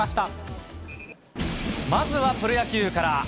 まずはプロ野球から。